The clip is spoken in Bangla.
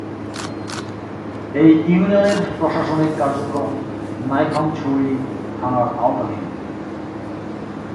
এ ইউনিয়নের প্রশাসনিক কার্যক্রম নাইক্ষ্যংছড়ি থানার আওতাধীন।